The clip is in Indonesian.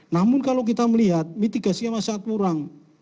namun kalau kita melihat mitigasinya masih kurang